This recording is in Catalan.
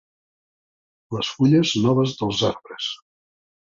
Les fulles noves dels arbres.